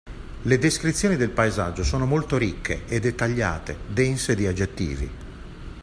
Le descrizioni dei paesaggio sono molto ricche e dettagliate, dense di aggettivi.